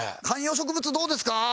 観葉植物どうですか？